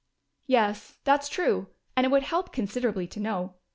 "Yes, that's true and it would help considerably to know.